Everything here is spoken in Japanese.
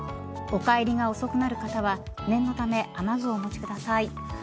お帰りが遅くなる方は念のため雨具をお持ちください。